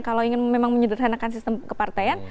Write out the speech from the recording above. kalau ingin memang menyederhanakan sistem kepartaian